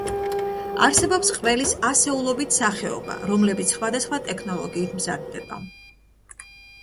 არსებობს ყველის ასეულობით სახეობა, რომლებიც სხვადასხვა ტექნოლოგიით მზადდება.